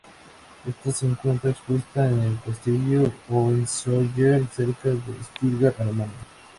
Esta se encuentra expuesta en el Castillo Hohenzollern cerca de Stuttgart, Alemania.